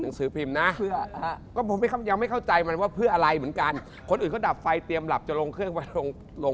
สือพิมพ์นะก็ผมยังไม่เข้าใจมันว่าเพื่ออะไรเหมือนกันคนอื่นเขาดับไฟเตรียมหลับจะลงเครื่องไปลงลง